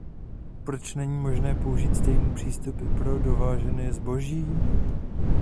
Proč není možné použít stejný přístup i pro dovážené zboží?